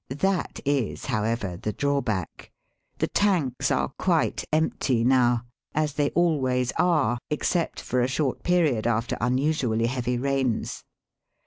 . That is, however, the drawback. The tanks are quite empty now, as they always are except for a short period after unusually heavy rains.